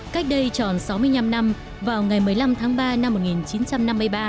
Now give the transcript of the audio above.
cách đây tròn sáu mươi năm năm vào ngày một mươi năm tháng ba năm một nghìn chín trăm năm mươi ba